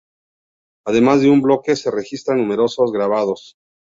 Además en un bloque se registran numerosos grabados.